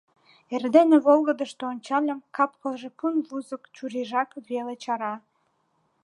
Эрдене волгыдышто ончальым — кап-кылже пун вузык, чурийжак веле чара.